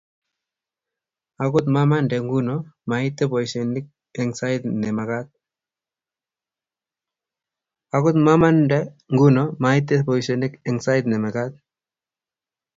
Angot mamande nguno, maite boishenyu eng sait ne makaat